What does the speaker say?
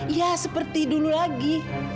ya seperti dulu lagi